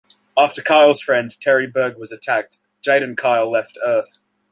After Kyle's friend, Terry Berg, was attacked, Jade and Kyle left Earth.